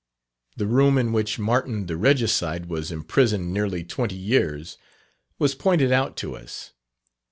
The room in which Martin the Regicide was imprisoned nearly twenty years, was pointed out to us.